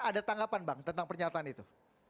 ada tanggapan bang tentang pernyataan itu